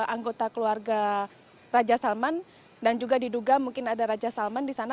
anggota keluarga raja salman dan juga diduga mungkin ada raja salman di sana